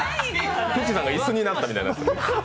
さんが椅子になったみたいだ。